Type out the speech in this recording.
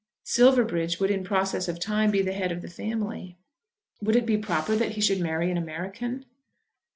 Silverbridge would in process of time be the head of the family. Would it be proper that he should marry an American?